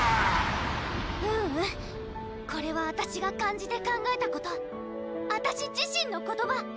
ううんこれはあたしが感じて考えたことあたし自身の言葉